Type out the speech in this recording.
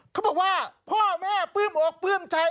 เขาบอกว่าพ่อแม่ปลื้มอกปลื้มใจ